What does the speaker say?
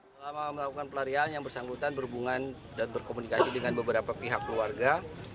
selama melakukan pelarian yang bersangkutan berhubungan dan berkomunikasi dengan beberapa pihak keluarga